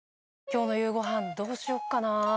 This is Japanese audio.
今日の夕ご飯どうしよっかなぁ？